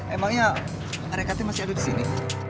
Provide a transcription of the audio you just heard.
emangnya mereka tuh masih ada di sini